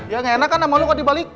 ya ga enak kan sama lu kalo dibalik